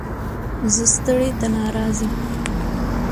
ـ زه ستړى ته ناراضي.